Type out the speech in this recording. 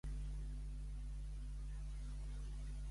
Quina qüestió pensava que era egolatria?